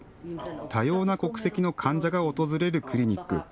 多様な国籍の患者が訪れるクリニック。